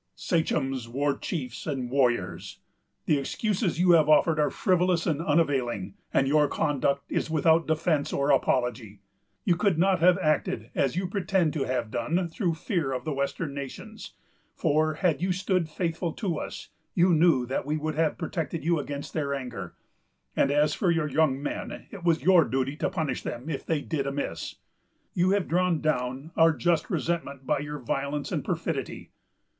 "Sachems, war chiefs, and warriors, the excuses you have offered are frivolous and unavailing, and your conduct is without defence or apology. You could not have acted as you pretend to have done through fear of the western nations; for, had you stood faithful to us, you knew that we would have protected you against their anger; and as for your young men, it was your duty to punish them, if they did amiss. You have drawn down our just resentment by your violence and perfidy.